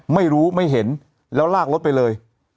ไม่รู้ไม่เห็นแล้วลากรถไปเลย